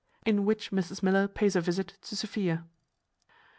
In which Mrs Miller pays a visit to Sophia.